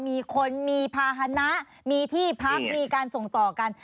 มีคนมีภาษณะมีที่พักมีการส่งต่อกัน